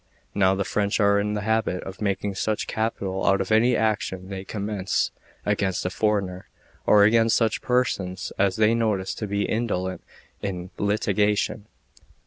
Now the French are in the habit of making much capital out of any action they commence against a foreigner, or against such persons as they notice to be indolent in litigation.